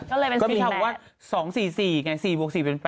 ก็เลยเป็น๔๘ก็มีคำว่า๒๔๔ไง๔บวก๔เป็น๘